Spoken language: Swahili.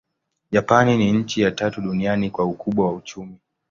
Japani ni nchi ya tatu duniani kwa ukubwa wa uchumi.